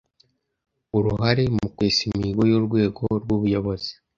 aUruhare mu kwesa imihigo y’urwego rw’ubuyobozi